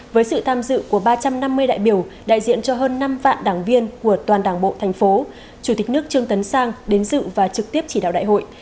với sự tham dự của ba trăm năm mươi đại biểu đại diện cho hơn năm vạn đảng viên của toàn đảng bộ thành phố chủ tịch nước trương tấn sang đến dự và trực tiếp chỉ đạo đại hội